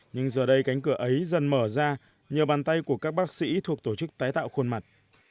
nhưng giờ đây cánh cửa ấy dần mở ra nhờ bàn tay của các bác sĩ thuộc tổ chức tái tạo khuôn mặt